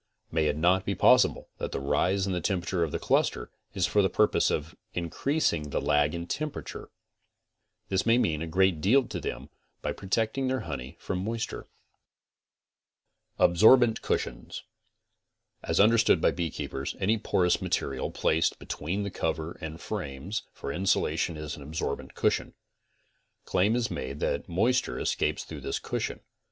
May it not be possible that the rise in temperature of the cluster is for the purpose of increasing the lag in temperature? This may mean a great deal to them by pro tecting their honey from moisture. ABSORBENT CUSHIONS As understood by beekeepers any porous material placed be tween the cover and frames for insulation is an absorbent cush ion. 'Claim is made that moisture escapes through this cushion.